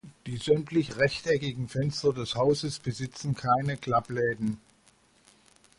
Die sämtlich rechteckigen Fenster des Hauses besitzen keine Klappläden.